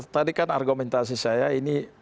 tadi kan argumentasi saya ini